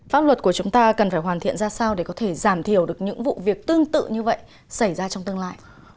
pháp luật của chúng ta cần phải hoàn thiện ra sao để có thể giảm thiểu được những vụ việc tương tự như vậy xảy ra trong tương lai